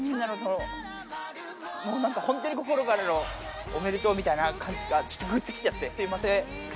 もうなんか本当に心からのおめでとうみたいな感じがちょっとグッときちゃってすいません。